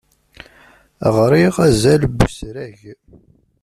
Ɣriɣ azal n usrag.